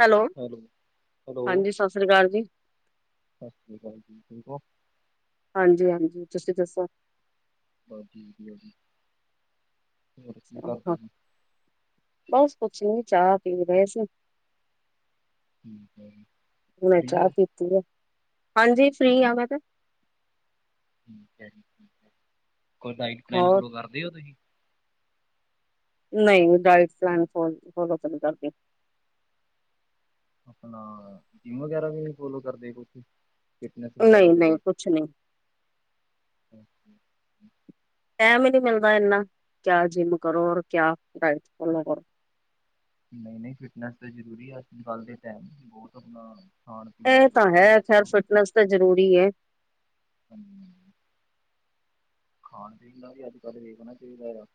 Hello, hello hello [unintelligible] ਹਾਂਜੀ ਸਤਿ ਸ੍ਰੀ ਅਕਾਲ ਜੀ, ਸਤਿ ਸ਼੍ਰੀ ਅਕਾਲ ਜੀ ਠੀਕ ਓ ਹਾਂਜੀ-ਹਾਂਜੀ ਤੁਸੀਂ ਦੱਸੋ ਬਸਜੀ ਵਧੀਆ ਜੀ ਹੋਰ ਕੀ ਹਾਂ, ਕਰਦੇ ਸੀ ਬਸ ਕੁਛ ਨੀ ਚਾਹ ਪੀ ਰਹੇ ਸੀ ਠੀਕ ਹੈ ਜੀ ਹੁਣੇ ਫ੍ਰੀ ਚਾਹ ਹੋ ਪੀਤੀ ਆ ਹਾਂਜੀ ਫ੍ਰੀ [inaudible] ਤੇ ਕੋਈ ਡਾਇਟ ਪਲੈਨ ਹੋਰ ਫੋਲੋ ਕਰਦੇ ਹੋ ਤੁਸੀਂ ਨਹੀਂ ਡਾਇਟ ਪਲੈਨ ਫੋਲੋ ਤਾਂ ਨਈ ਕਰਦੀ ਆਪਣਾ ਜਿੰਮ ਵਗੈਰਾ ਵੀ ਨਹੀਂ ਫੋਲੋ ਕਰਦੇ ਕੁਛ ਫਿਟਨਸ ਵਗੈਰਾ ਦੇ ਨਹੀਂ-ਨਹੀਂ ਲਈ ਕੁਛ ਨਹੀਂ, ਟਇਮ ਹੀ ਨਹੀਂ ਮਿਲਦਾ ਇਨਾ ਕਿਆ ਜਿੰਮ ਕਰੋ ਰ ਕਿਆ ਡਾੲਟ ਫਾਲੋ ਕਰੋ ਨਹੀਂ ਨਹੀਂ ਫਿਟਨੈਸ ਤਾਂ ਜ਼ਰੂਰੀ ਅੱਜ ਕੱਲ ਦੇ ਟਾਈਮ ਬਹੁਤ ਆਪਣਾ ਖਾਣ ਪੀਣ ਇਹ ਦੀ ਤਾਂ ਬਹੁਤ ਹੈ ਮਿਲਾਵਟਾਂ ਖੈਰ ਫਿਟਨੈਸ ਤਾਂ ਜ਼ਰੂਰੀ ਏ ਹਮ- ਖਾਣ ਪੀਣ ਦਾ ਵੀ ਅੱਜ ਕੱਲ੍ਹ ਇਹ ਹੋਨਾ ਚਾਹੀਦਾ ਆ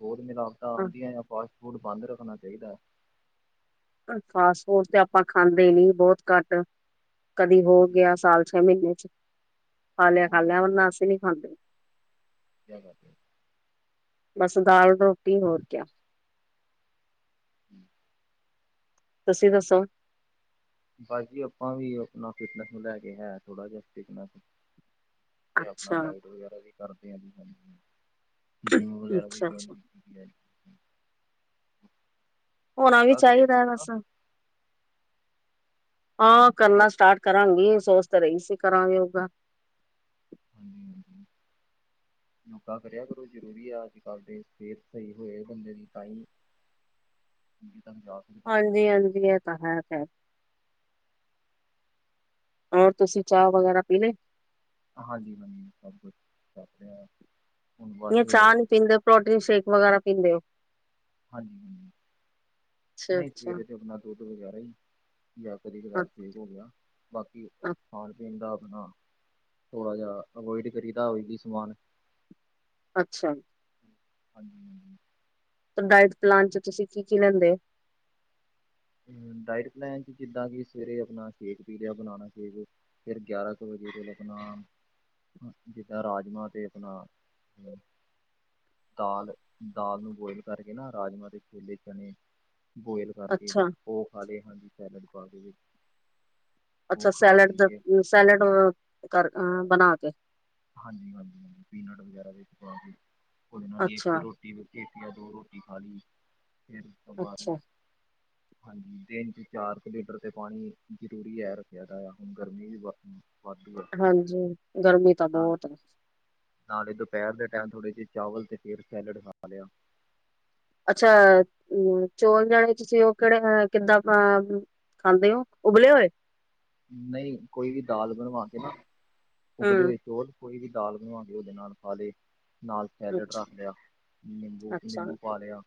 ਹੋ ਮਿਲਾਵਟਾਂ ਆਉਂਦੀਆਂ ਫਾਸਟ ਫੂਡ ਬੰਦ ਰੱਖਣਾ ਚਾਹੀਦਾ ਫਾਸਟ ਫੂਡ ਤੇ ਆਪਾਂ ਖਾਂਦੇ ਨਹੀਂ ਬਹੁਤ ਘੱਟ ਕਦੀ ਹੋ ਠੀਕ ਗਿਆ ਹੈ, ਸਾਲ ਛੇ ਮਹੀਨੇ ਚ ਖਾ ਲਿਆ ਬਹੁਤ ਖਾ ਲਿਆ ਵਧੀਆ ਮ ਗੱਲ ਅਸੀ ਨੀ ਖਾਂਦੇ ਵਧੀਆ ਗੱਲ ਹੈ। ਬਸ ਦਾਲ ਰੋਟੀ ਹੋਰ ਕਿਆ [inaudible] ਤੁਸੀਂ ਦੱਸੋ ਬਸ ਜੀ ਆਪਾਂ ਵੀ ਆਪਣਾ ਫਿਟਨੈਸ ਨੂੰ ਲੈ ਕੇ ਹੈ ਥੋੜਾ ਜਿਹਾ ਫਿਟਨੈਸ ਤੇ ਆਪਣਾ ਅੱਛਾ, ਡਾਇਟ ਵਗੈਰਾ ਵੀ ਕਰਦੇ ਆ ਜ ਜਿੰਮ ਵਗੈਰਾ ਵੀ ਜੁਇਨ ਅੱਛਾ-ਅੱਛਾ ਕੀਤੀ ਹੋਣਾ ਵੀ ਯੋਗਾ ਕਰਿਆ ਚਾਹੀਦਾ ਹੈ ਕਰੋ ਨਾ ਬਸ ਹਾਂ ਯੋ ਕਰਨਾ ਸਟਾਰਟ ਕਰਾਂਗੀ ਸੋਚ ਤਾਂ ਰਹੀ ਸੀ ਕਰਾਂਗੇ ਯੋਗਾ [unintelligible] ਹਾਂਜੀ ਹਾਂਜੀ ਯੋਗਾ ਕਰਿਆ ਕਰੋ ਜ਼ਰੂਰੀ ਆ ਅੱਜ ਕੱਲ੍ਹ ਦੇ ਸਿਹਤ ਸਹੀ ਹੋਏ ਬੰਦੇ ਦੀ ਤਾਂ ਹੀ [unintelligible] ਸਕਦੇ ਆ ਹਾਂਜੀ ਹਾਂਜੀ ਇਹ ਤਾਂ ਫਿਰ [unintelligible] ਹੋਰ ਤੁਸੀਂ ਚਾਹ ਵਗੈਰਾ ਪੀ ਲੀ ਹਾਂਜੀ ਮੰਨੀ ਸਭ ਕੁਛੱਸ ਰਿਹਾ ਹੁਣ ਬਸ ਜਾਂ ਚਾਹ ਨੀ ਹਾਂਜੀ ਪੀਂਦੇ ਪ੍ਰੋਟੀਨ ਸ਼ੇਕ ਵਗੈਰਾ ਪੀਂਦੇ ਓ ਹਾਂਜੀ -ਹਾਂਜੀ ਨਹੀਂ ਅੱਛਾ-ਅੱਛਾ। ਸਵੇਰੇ ਤੇ ਆਪਣਾ ਦੁੱਧ ਵਗੈਰਾ ਈ ਜਾਂ ਕਦੀ ਕਦਾਰ [unintelligible] ਹੋ ਗਿਆ ਬਾਕੀ ਅੱਛਾ ਖਾਣ ਪੀਣ ਦਾ ਹਨਾ ਥੋੜਾ ਜਿਹਾ ਅਵੋਇਡ ਕਰੀ ਦਾ ਐਵੀ ਸਮਾਨ ਅੱਛਾ ਜੀ ਹਾਂਜੀ ਹਾਂਜੀ ਤਾਂ ਡਾਇਟ ਪਲਾਨ 'ਚ ਤੁਸੀਂ ਕੀ ਕੀ ਲੈਂਦੇ ਓ ਹੂੰ ਡਾਇਟ ਪਲੈਨ ਚ ਜਿੱਦਾਂ ਕਿ ਸਵੇਰੇ ਆਪਣਾ ਸ਼ੇਕ ਪੀ ਲਿਆ ਬਨਾਨਾ ਸ਼ੇਕ ਫੇਰ ਗਿਆਰਾਂ ਕੁ ਆਪਣਾ ਜਿੱਦਾਂ ਰਾਜਮਾਂ ਤੇ ਆਪਣਾ ਦਾਲ ਦਾਲ ਨੂੰ ਬੋਇਲ ਕਰਕੇ ਨਾ ਰਾਜਮਾਂ ਛੋਲੇ ਚਣੇ ਬੋਇਲ ਕਰਕੇ ਅੱਛਾ, ਉਹ ਖਾ ਲਏ ਹਾਂਜੀ ਸੈਲਡ ਪਾ ਕੇ ਵਿੱਚ ਉਹ ਅੱਛਾ ਖਾ ਸੈਲਡ ਪੀ ਦਾ ਕੇ ਸੈਲਡ ਕਰ ਬਣਾ ਕੇ ਹਾਂਜੀ ਹਾਂਜੀ ਹਾਂਜੀ ਪੀਨਟ ਵਗੈਰਾ ਕੇ ਉਹਦੇ ਨਾਲ ਹੀ ਇੱਕ ਅੱਛਾ। ਰੋਟੀ ਇਕ ਜਾਂ ਦੋ ਰੋਟੀ ਖਾ ਲੀ, ਫਿਰ ਉਸ ਤੋਂ ਅੱਛਾ ਬਾਅਦ ਹਾਂਜੀ। ਦਿਨ ਚ ਚਾਰ ਕੁ ਲੀਟਰ ਤੇ ਪਾਣੀ ਜ਼ਰੂਰੀ ਐ ਰੱਖਿਆ ਹੈਗਾ। ਹੁਣ ਗਰਮੀ ਵੀ ਵ ਹਾਂਜੀ। ਗਰਮੀ ਤਾਂ ਬਹੁਤ ਐ। ਨਾਲੇ ਦੁਪਹਿਰ ਦੇ ਟਾਈਮ ਥੋੜ੍ਹੇ ਜਿਹੇ ਚਾਵਲ ਤੇ ਫੀਡ ਸੈਲਡ ਖਾ ਰਿਹਾ। ਅੱਛਾ। ਊ ਚੋਲ ਜਾਣੇ ਚ, ਉਹ ਕਿਹੜੇ ਅ ਕਿੱਦਾਂ ਪਾ ਖਾਂਦੇ ਓ ਉਬਲੇ ਹੋਏ? ਨਹੀਂ ਕੋਈ ਵੀ ਦਾਲ ਬਣਵਾ ਕੇ ਨਾ। ਉਬਲੇ ਹਮ ਹੋਏ ਚੌਲ ਕੋਈ ਵੀ ਦਾਲ ਬਣਵਾ ਕੇ, ਉਹਦੇ ਨਾਲ ਖਾ ਲੈ। ਨਾਲ ਸੈਲਡ ਅੱਛਾ ਰੱਖ ਲਿਆ। ਅੱਛਾ ਨਿੰਬੂ-ਨਿੰਬੂ ਪਾ ਲਿਆ।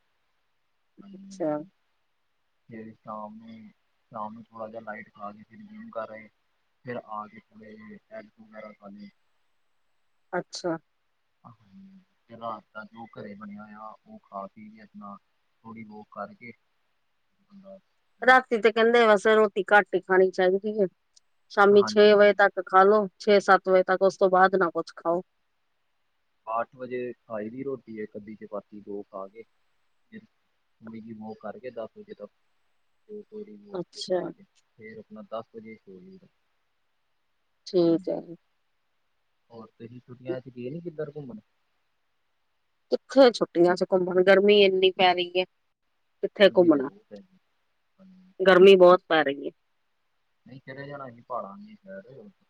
ਹਾਂਜੀ ਅੱਛਾ ਹਾਂਜੀ। ਫਿਰ ਸ਼ਾਮ ਨੂੰ ਸ਼ਾਮ ਨੂੰ ਥੋੜਾ ਜਹਾ ਲਾਈਟ ਖਾ ਕੇ ਫਿਰ ਜਿਮ ਕਰ ਰਹੇ। ਫਿਰ ਆ ਕੇ ਮੇਰੇ ਲਿਏ, ਐੱਗ ਵਗੈਰਾ ਖਾ ਲਿਏ। ਅੱਛਾ ਫਿਰ ਰਾਤ ਦਾ ਜੋ ਘਰੇ ਬਣਿਆਂ ਹੋਇਆ। ਉਹ ਖਾ- ਪੀ ਕੇ ਆਪਣਾ ਥੋੜੀ ਬਹੁ ਕਰਕੇੰ ਰਾਤੀ ਤੇ ਕਹਿੰਦੇ, ਬਸ ਰੋਟੀ ਘੱਟ ਹੀ ਖਾਣੀ ਚਾਹੀਦੀ ਐ। ਸ਼ਾਮੀ ਛੇ ਹਾਂਜੀ ਹਾਂਜੀ। ਵਜੇ ਤੱਕ ਖਾ ਲੋ। ਛੇ-ਸੱਤ ਵਜੇ ਤੱਕ। ਉਸ ਤੋਂ ਬਾਅਦ ਨਾ ਕੁਛ ਖਾਓ। ਅੱਠ ਵਜੇ ਖਾਈ ਦੀ ਰੋਟੀ, ਇੱਕ-ਅੱਧੀ ਚਪਾਤੀ ਦੋ ਖਾ ਕੇ ਫਿਰ ਥੋੜੀ ਜੀ ਵੋਕ ਕਰਕੇ, ਦਸ ਵਜੇ ਤੱਕ ਫਿਰ ਥੋੜੀ ਵੋਕ ਅੱਛਾ ਕਰਕੇ ਠੀਕ ਹੈ ਜੀ। ਹੋਰ ਤੇ ਛੁੱਟੀਆਂ ਚ ਗੇ ਨੀ ਕਿੱਧਰ ਘੁੰਮਣ? ਕਿੱਥੇ ਛੁੱਟੀਆਂ ਚ ਘੁੰਮਣ, ਗਰਮੀ ਇੰਨੀ ਪੈ ਰਹੀ ਐ। ਕਿੱਥੇ ਗਰਮੀ ਤੇ ਘੁੰਮਣਾ। ਬਹੁਤ ਹੈ ਜੀ ਗਰਮੀ ਬਹੁਤ ਪੈ ਰਹੀ ਐ। ਨੀ ਚਲੇ ਜਾਣਾ ਸੀ। ਪਹਾੜਾ ਦੀ‌ ਸੈ਼ਰ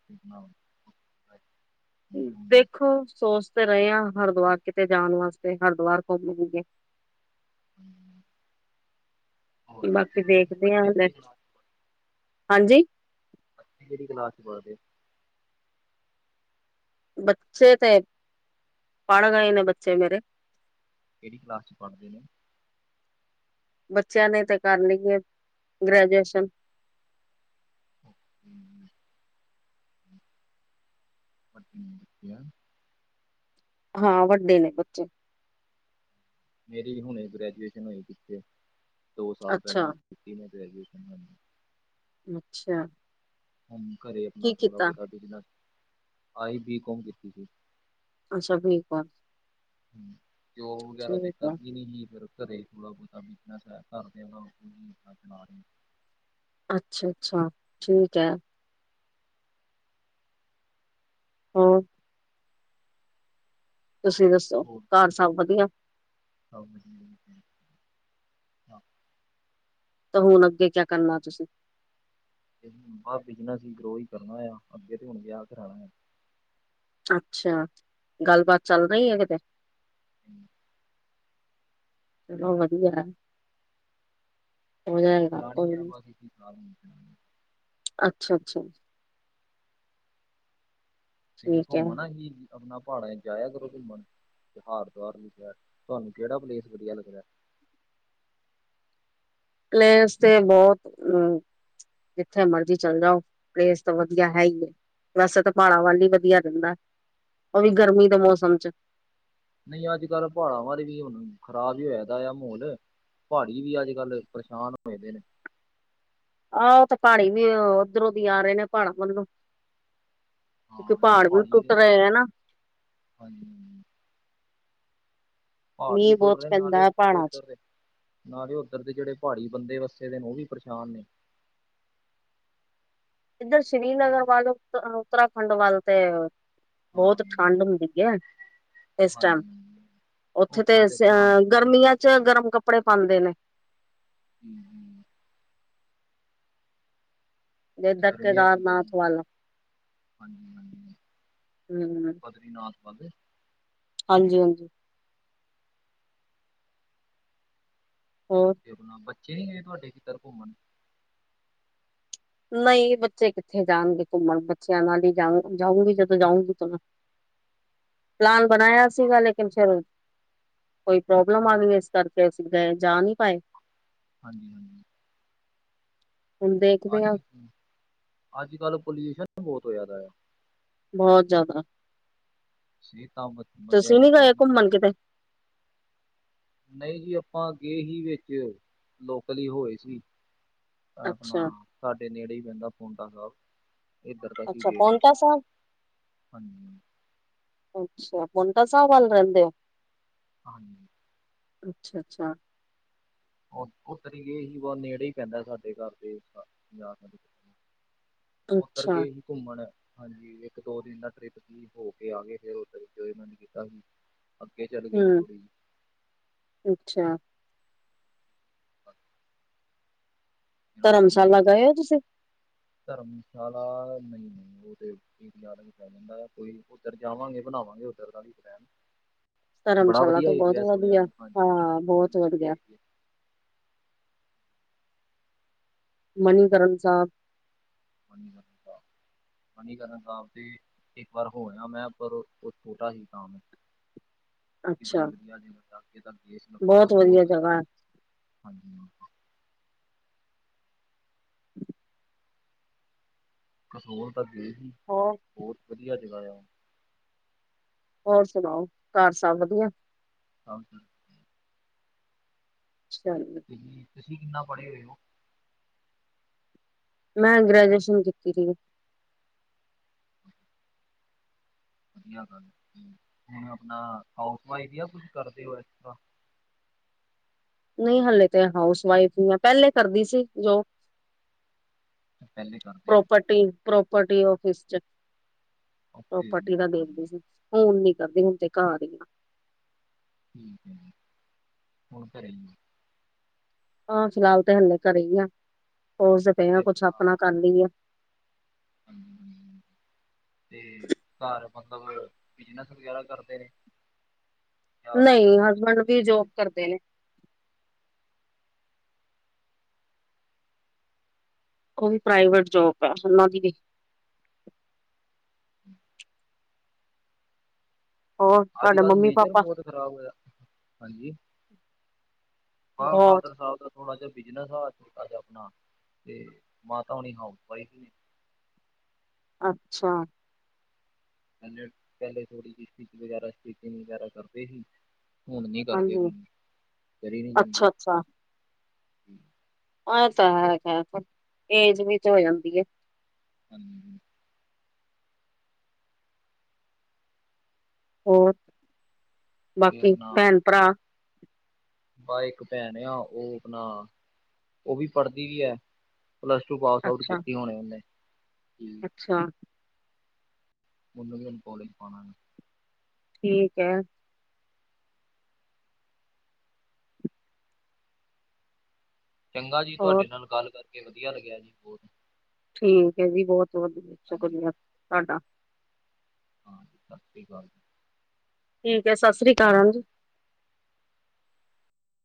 ਕਿਸ ਨਾਲ। ਦੇਖੋ, ਸੋਚ ਸੋਚ ਰਹੇ ਹ ਹਰਿਦੁਆਰ ਕਿਤੇ ਜਾਣ ਵਾਸਤੇ। ਹਰਿਦੁਆਰ ਘੁੰਮ ਆਈਏ। ਹੋਰ ਬੱਚੇ ਬਾਕੀ ਜੀ, ਦੇਖਦੇ ਬੱਚੇ ਹਾਂ ਕਿਹੜੀ ਕਲਾਸ ਹਾਂਜੀ ਬੱਚੇ ਕਿਹੜੀ ਕਲਾਸ ਚ ਪੜਦੇ ਐ। ਬੱਚੇ ਤੇ, ਪੜ ਰਹੇ ਨੇ ਬੱਚੇ ਮੇਰੇ ਕਿਹੜੀ ਕਲਾਸ ਚ ਪਾੜਦੇ ਨੇ? ਬੱਚਿਆਂ ਨੇ ਤੇ ਕਰ ਲਈਏ ਗ੍ਰੈਜੂਏਸ਼ਨ। ਅੱਜ ਨੀ ਉਠਿਆ। ਹਾਂ। ਵੱਡੇ ਨੇ ਬੱਚੇ ਮੇਰੀ ਹੁਣੇ ਗ੍ਰੈਜੂਏਸ਼ਨ ਹੋਈ ਪੀਛੇ। ਦੋ ਸਾਲ ਪਹਿਲਾਂ ਅੱਛਾ ਕੀਤੀ ਮੈਂ ਗ੍ਰੈਜੂਏਸ਼ਨ ਅੱਛਾ ਹੁਨ ਘਰੇ ਆਪਣਾ ਕੀ ਥੋੜ੍ਹਾ ਕੀਤਾ ਬਹੁਤਾ ਬਿਜਨਸ ਆਈ ਬੀਕੋਮ ਕੀਤੀ ਸੀ। ਅੱਛਾ ਬੀ ਕੋਮ ਜੋਬ ਵਗੈਰਾ ਠੀਕ ਆ ਘਰੇ ਥੋੜਾ ਬਹੁਤਾ ਵੀਕਨਸ ਹੈ। ਅੱਛਾ, ਅੱਛਾ ਠੀਕ ਹੈ। ਹਾਂ। ਤੁਸੀਂ ਦੱਸੋ। ਹੋਰ ਘਰ ਸਭ ਵਧੀਆ। ਹਾਂ ਤਾਂ ਹੁਣ ਅੱਗੇ ਕਿਆ ਕਰਨਾ ਤੁਸੀਂ? ਬਸ ਬਿਜਨਸ ਈ ਗਰੋ ਈ ਕਰਨਾ ਆ। ਅੱਗੇ ਤੇ ਹੁਣ ਵਿਆਹ ਕਰਾਉਣਾ ਆ। ਅੱਛਾ। ਗੱਲਬਾਤ ਚੱਲ ਰਹੀ ਹੈ ਕਿਤੇ? ਹਮ [unintelligible] ਚਲੋ ਵਧੀਆ ਹੋ ਜਾਏਗਾ ਚਲਾਣੀ ਕੋਈ ਹੈ ਨੀ ਬਸ ਇੱਕੀ ਸਾਲ ਹੋਰ ਚਲਾਣੀ ਅੱਛਾ ਅੱਛਾ ਅ ਠੀਕ ਹੈ ਘੁੰਮਣਾ ਕੀ ਆਪਣਾ, ਪਹਾੜਾਂ ਜਾਇਆ ਕਰੋ ਘੁੰਮਣ ਤਿਉਹਾਰ ਦੁਹਾਰ ਲਿਖਦਾ ਤੁਹਾਨੂੰ ਕਿਹੜਾ ਪਲੇਸ ਵਧੀਆ ਲੱਗਦਾ [unintelligible] ਪਲੇਸ ਤੇ ਬਹੁਤ ਅਮ ਜਿੱਥੇ ਮਰਜ਼ੀ ਚੱਲ ਜਾਔ, ਪਲੇਸ ਤਾਂ ਵਧੀਆ ਹੈ ਹੀ ਹੈ ਵੈਸੇ ਤਾਂ ਪਹਾੜਾਂ ਵੱਲ ਹੀ ਵਧੀਆ ਰਹਿੰਦਾ, ਉਹ ਵੀ ਗਰਮੀ ਦੇ ਮੌਸਮ ਚ ਨਹੀਂ ਅੱਜ ਕੱਲ੍ਹ ਪਹਾੜਾਂ ਬਾਰੇ ਵੀ ਹੁਣ, ਖਰਾਬ ਹੀ ਹੋਇਦਾ ਆ ਮਾਹੌਲ ਪਹਾੜੀ ਵੀ, ਅੱਜ ਕੱਲ੍ਹ ਪਰੇਸ਼ਾਨ ਹੋਏ ਦੇ ਨੇ ਆਹੋ ਤੇ ਪਹਾੜੀ ਵੀ, ਓਧਰੋਂ ਦੀ ਆ ਰਹੇ ਨੇ ਪਹਾੜਾਂ ਵੱਲੋਂ ਕਿਉਂਕਿ ਹਾਂ ਜਿਹੜੇ ਪਹਾੜ ਵੀ ਪਹਾੜੀ ਨੇ ਟੁੱਟ ਰਹੇ ਐ ਨਾ। ਹਾਂਜੀ ਪਹਾੜ ਵੀ ਮੀਂਹ ਟੁੱਟ ਬਹੁਤ ਰਹੇ, ਨਾਲੇ ਪੈਂਦਾ ਹੈ ਪਹਾੜਾਂ ਚ ਉੱਧਰ ਦੇ ਨਾਲੇ ਉੱਧਰ ਦੇ ਜਿਹੜੇ ਪਹਾੜੀ ਬੰਦੇ ਵਸੇ ਜੇੜੇ, ਔ ਵੀ ਪਰੇਸ਼ਾਨ ਨੇ ਇੱਧਰ ਸ਼੍ਰੀਨਗਰ ਵੱਲ, ਉੱਤਰਾਖੰਡ ਵੱਲ ਤੇ ਬਹੁਤ ਹਾਂਜੀ ਠੰਡ ਹੁੰਦੀ ਹੈ ਇਸ ਟਾਈਮ, ਹਾਂਜੀ ਔਥੇ ਤੇ ਉੱਧਰ ਆਪਣਾ ਅਹ ਗਰਮੀਆਂ ਚ ਗਰਮ ਕੱ ਕੱਪੜੇ ਪਾਉਦੇ ਨੇ ਹੂ ਹੂ ਜਿੱਦਾਂ ਗਰਮੀ ਹੈ ਕੀ ਗਰਮ, ਕੇਦਾਰਨਾਥ ਵੱਲ ਹਾਂਜੀ ਹਾਂਜੀ ਹਮ ਬਦਰੀਨਾਥ ਵਾਧੇ ਹਾਂਜੀ ਹਾਂਜੀ ਹੋਰ ਬੱਚੇ ਨੀ ਗਏ ਤੁਹਾਡੇ, ਕਿਧਰ ਘੁੰਮਣ ਨਹੀਂ ਬੱਚੇ ਕਿੱਥੇ ਜਾਣਗੇ ਘੁੰਮਣ, ਬੱਚਿਆਂ ਨਾਲ ਹੀ ਜਾਊ ਜਾਊਂਗੀ ਜਦੋਂ ਜਾਊਗੀ ਤਾਂ ਮੈਂ ਪਲਾਨ ਠੀਕ ਬਣਾਇਆ ਸੀਗਾ, ਲੇਕਿਨ ਫਿਰ ਕੋਈ ਪ੍ਰੋਬਲਮ ਆ ਤੇ ਗਈ, ਇਸ ਕਰਕੇ ਅਸੀਂ ਗਏ ਜਾ ਨਹੀਂ ਪਾਏ ਹਾਂਜੀ ਹਾਂਜੀ ਹੁਣ ਦੇਖਦੇ ਹਾਂ ਅੱ ਅੱਜ ਕੱਲ ਪੋਲਿਊਸ਼ਨ ਬਹੁਤ ਹੋਆ ਦਾ ਐ ਬਹੁਤ ਜ਼ਿਆਦਾ ਸਿਹਤਾਂ ਬੰਦਿਆਂ ਤੁਸੀਂ ਦੀ ਨੀ ਗਏ ਮਾੜੀ ਘੁੰਮਣ ਕਿਤੇ ਨਹੀਂ ਜੀ ਆਪਾਂ ਗਏ ਹੀ ਵਿੱਚ, ਲੋਕਲ ਹੋ ਆਏ ਸੀ। ਆਪਣਾ, ਅੱਛਾ ਸਾਹਾਡੇ ਨੇੜੇ ਹੀ ਪੈਂਦਾ ਪੌਂਟਾ ਸਾਹਿਬ ਇੱਧਰ ਦਾ ਕੀ ਅੱਛਾ ਗਯੇ ਸੀ, ਪੋਂਟਾ ਸਾਹਿਬ ਹਾਂਜੀ ਅੱਛਾ ਪੌਂਟਾ ਸਾਹਿਬ ਵੱਲ ਰਹਿੰਦੇ ਔ। ਹਾਂਜੀ ਅੱਛਾ ਅੱਛਾ ਉੱਤਰੀ ਗਏ ਸੀ, ਬ ਨੇੜੇ ਹੀ ਪੈਂਦਾ ਸਾਡੇ ਘਰ ਤੇ ਪੰਜ ਸੱਠ ਉੱਧਰ ਅੱਛਾ ਗਏ ਹੀ ਘੁੰਮਣ ਹਾਂਜੀ ਇੱਕ ਦੋ ਦਿਨ ਦਾ ਟ੍ਰਿਪ ਸੀ, ਹੋ ਕੇ ਆ ਗਏ ਫਿਰ ਵਿੱਚ ਇਹਨਾਂ ਨੇ ਕੀਤਾ ਸੀ ਅੱਗੇ ਚੱਲ ਗਏ ਸੀ ਹੂ ਥੋੜ੍ਹੀ ਜਿਹੀ ਅੱਛਾ ਅੱ [unintelligible] ਜ ਤੂ ਵੀ ਧਰਮਸ਼ਾਲਾ ਗਏ ਘੁੰਮਣ, ਹੋ ਤੁਸੀਂ ਧਰਮਸ਼ਾਲਾ ਨਹੀਂ ਔ ਤੇ ਵੀ ਪੈ ਜਾਂਦਾ ਕੋਈ ਉੱਧਰ ਜਾਵਾਂਗੇ ਬਣਾਵਾਂਗੇ ਉਧਰ ਦਾ ਵੀ ਪਲੈਨ ਬੜਾ ਧਰਮਸ਼ਾਲਾ ਵਧੀਆ ਤੋਂ ਬਹੁਤ ਏਰੀਆ ਸੁਣਿਆ ਵਧੀਆ ਨੂੰ, ਹਾਂਜੀ ਹਾਂ ਬੜੀ ਬਹੁਤ ਵਧੀਆ ਏਰੀਆ ਮਣੀਕਰਨ ਸਾਹਿਬ ਮੰਨੀ ਕਰਨ ਸਾਹਿਬ ਮਨੀਕਰਨ ਸਾਹਿਬ ਤੇ ਇੱਕ ਵਾਰ ਹੋ ਆਯਾ ਮੈਂ, ਪਰ ਉਹ ਛੋਟਾ ਸੀ ਤਾਂ ਮੈਂ [unintelligible] ਅੱਛਾ ਬੜੀ ਵਧੀਆ ਜੀ ਮੌ ਦੇਸ਼ ਨੂੰ ਪੱਖ ਬਹੁਤ ਵਧੀਆ ਸਹੂਲਤ ਜਗ੍ਹਾ ਹੈ ਹਾਂਜੀ ਹਾਂ ਕਨੋਰ ਤ ਗਏ ਸੀ ਹੋਰ ਬਹੁਤ ਵਧੀਆ ਜਗ੍ਹਾ ਆ ਹੋਰ ਸੁਣਾਓ ਘਰ ਸਭ ਵਧੀਆ ਹਾਂਜੀ ਤੁਸੀਂ [unintelligible] ਤੁਸੀਂ ਕਿੰਨਾ ਪੜੀ ਹੋਏ ਹੋ ਮੈਂ ਗੈਜੂਏਸ਼ਨ ਕੀਤੀ ਦੀਏ ਵਧੀਆ ਗੱਲ ਹੁਣ ਆਪਣਾ ਹਾਊਸ ਵਾਇਫ ਜਾਂ ਕੁਛ ਕਰਦੇ ਹੋ ਇਸ ਤਰ੍ਹਾਂ ਨਹੀਂ ਹਲੇ ਤੇ ਹਾਊਸ ਵਾਈਫ ਨ ਆ ਪਹਿਲੇ ਕਰਦੀ ਸੀ ਜੋਬ ਪਹਿਲੇ ਕਰਦੇ ਵਡੇ ਆਫਿਸ ਚ ਓਕੇ ਪ੍ਰੋਪਰਟੀ ਜੀ ਦਾ ਓਕੇ ਦੇਖਦੇ ਜੀ ਸੀ ਹੁਣ ਨੀ ਤੇ ਹੁਣ ਤੇ ਘਾਰ ਹੀ ਹੁਣ ਘਰੇਈ ਆਹ ਸ਼ਰਾਬ ਤੇ ਹਲੇ ਘਰੇ ਹੀ ਆ ਸੋਚਦੇ ਪਏ ਆ ਕੁਛ ਆਪਣਾ ਕਰ ਲਈ ਆ ਹਾਂਜੀ ਹਾਂਜੀ [inaudible] ਤੇ ਘਰ ਮਤਲਬ ਬਿਜਨਸ ਵਗੈਰਾ ਕਰਦੇ ਨੇ ਜਾਂ ਨਹੀਂ ਹਸਬੈਂਡ ਕੀ ਵੀ ਵਗੈਰਾ? ਜੋਬ ਕਰਦੇ ਨੇ ਉਹ ਵੀ ਪ੍ਰਾਈਵੇਟ ਜੋਬ ਹੈ ਉਹਨਾਂ ਦੀ ਵੀ [inaudible] ਹੋਰ ਅੱਜ ਤੁਹਾਡੇ ਕੱਲ ਮੰਮੀ ਨੇਚਰ ਪਾਪਾ ਬਹੁਤ ਖ਼ਰਾਬ ਹੋਇਆ ਹਾਂਜੀ ਬਸ ਬਹੁਤ ਫਾਦਰ ਸਾਹਿਬ ਦਾ ਥੋੜਾ ਜਿਹਾ ਬਿਜਨਸੋਟਾ ਜਹਾ ਆਪਣਾ, ਤੇ ਮਾਤਾ ਹੋਣੀ ਹਾਊਸ ਵਾਈਫ ਨੇ ਅੱਛਾ ਪਹਿਲੇ ਪਹਿਲੇ ਥੋੜੀ ਜਿਹੀ ਸਟਿਚ ਵਗੈਰਾ ਸਟੀਿਚਿੰਗ ਵਗੈਰਾ ਕਰਦੇ ਸੀ ਹੁਣ ਨੀ ਕਰਦੇ ਹਾਂਜੀ ਹੁਣ ਕਰੀ ਨੀ ਜਾਂਦੀ ਅੱਛਾ ਅੱਛਾ ਆ ਤਾਂ ਹੈ ਖੈਰ ਏਜ ਵੀ ਹੋ ਜਾਂਦੀ ਆ ਹਮ ਹੋਰ ਬਾਕੀ ਭੈਣ ਭਰਾ ਬਾਹ ਇੱਕ ਭੈਣ ਆ ਉਹ ਆਪਣਾ ਉਹ ਵੀ ਪੜਦੀ ਵੀ ਹੈ ਪਲੱਸ ਟੂ ਪਾਸ ਆਊਟ ਅੱਛਾ ਕੀਤੀ ਹੋਣੇ ਉਹਨੇ ਅੱਛਾ ਉਨੂੰ ਵੀ ਹੁਨ ਕੋਲੇਕ ਪਾਣਾ ਠੀਕ ਹੈ ਚੰਗਾ ਜੀ ਹੋਰ ਤੁਹਾਡੇ ਨਾਲ ਗੱਲ ਕਰਕੇ ਵਧੀਆ ਲੱਗਿਆ ਜੀ ਬਹੁਤ ਠੀਕ ਹੈ ਜੀ ਬਹੁਤ ਵਧੀਆ ਸ਼ੁਕਰੀਆ ਤੁਹਾਡਾ ਹਾਂਜੀ ਸਤਿ ਸ੍ਰੀ ਅਕਾਲ ਜੀ ਠੀਕ ਹੈ ਸਤਿ ਸ੍ਰੀ ਅਕਾਲ ਹਾਂ ਜੀ